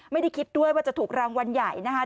ไม่ได้คิดด้วยว่าจะถูกรางวัลใหญ่นะคะ